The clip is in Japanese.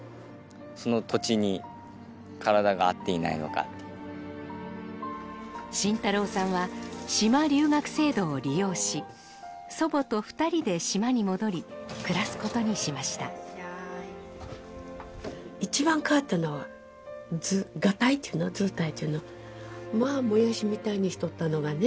その土地に体が合っていないのかって真太郎さんは島留学制度を利用し祖母と２人で島に戻り暮らすことにしました一番変わったのはガタイっていうのずうたいっていうのまあもやしみたいにしとったのがね